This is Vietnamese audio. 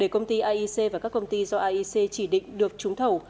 công ty iec và các công ty do iec chỉ định được trúng thầu